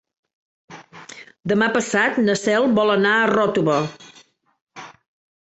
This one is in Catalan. Demà passat na Cel vol anar a Ròtova.